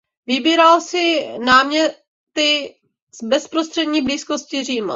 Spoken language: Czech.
Vybíral si náměty s bezprostřední blízkosti Říma.